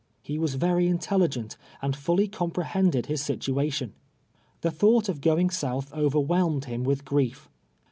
He was very intelligent, and fully comj^rehended his sit uation. Tlie thought of going soutli overwhelmed him with grief.